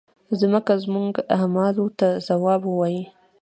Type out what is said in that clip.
مځکه زموږ اعمالو ته ځواب وایي.